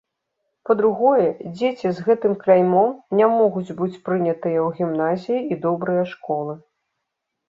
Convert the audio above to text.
Па-другое, дзеці з гэтым кляймом не могуць быць прынятыя ў гімназіі і добрыя школы.